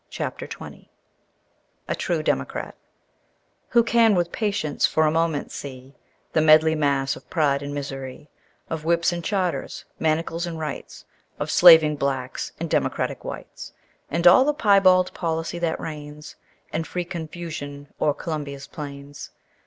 CHAPTER XX A TRUE DEMOCRAT "Who can, with patience, for a moment see The medley mass of pride and misery, Of whips and charters, manacles and rights, Of slaving blacks and democratic whites, And all the piebald policy that reigns In free confusion o'er Columbia's plains?